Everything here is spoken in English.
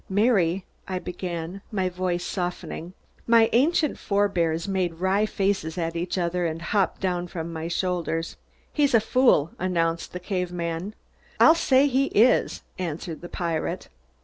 "Mary " I began, my voice softening. My ancient forebears made wry faces at each other and hopped down from my shoulders. "He's a fool!" announced the cave man. "I'll say he is," answered the pirate.